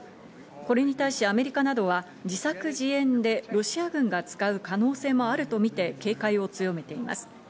これに対しアメリカなどは自作自演でロシア軍が使う可能性もあるとみて警戒を強めています。